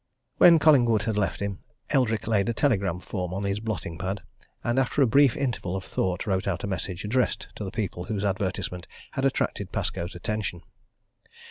When Collingwood had left him Eldrick laid a telegram form on his plotting pad, and after a brief interval of thought wrote out a message addressed to the people whose advertisement had attracted Pascoe's attention.